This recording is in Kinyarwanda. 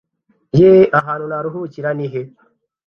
Ye ahantu naruhukira ni he